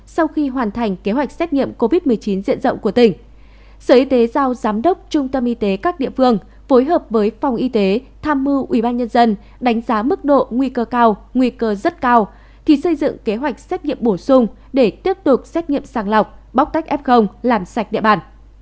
sở y tế giao giám đốc trung tâm y tế các địa phương phối hợp với phòng y tế tham mưu ubnd đánh giá mức độ nguy cơ cao nguy cơ rất cao thì xây dựng kế hoạch xét nghiệm bổ sung để tiếp tục xét nghiệm sàng lọc bóc tách f làm sạch địa bàn